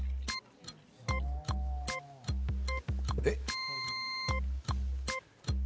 えっ？